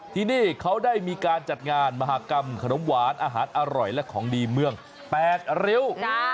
ที่นี่เขาได้มีการจัดงานมหากรรมขนมหวานอาหารอร่อยและของดีเมือง๘ริ้ว